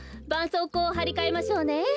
そうこうをはりかえましょうね。